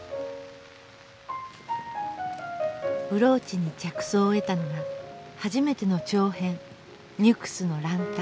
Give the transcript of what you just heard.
ブローチに着想を得たのが初めての長編「ニュクスの角灯」。